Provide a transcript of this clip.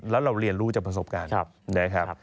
และเราเรียนรู้จากประสบการณ์